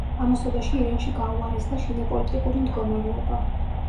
ამასობაში ირანში გაუარესდა შინაპოლიტიკური მდგომარეობა.